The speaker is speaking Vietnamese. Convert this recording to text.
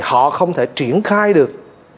họ không thể triển khai được